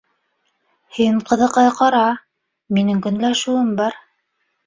Һин, ҡыҙыҡай, ҡара, минең көнләшеүем бар.